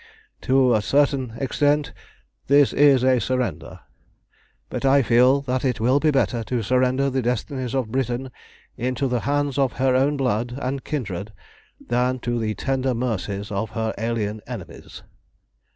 "To a certain extent this is a surrender, but I feel that it will be better to surrender the destinies of Britain into the hands of her own blood and kindred than to the tender mercies of her alien enemies.